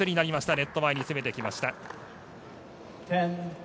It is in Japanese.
ネット前に詰めてきました。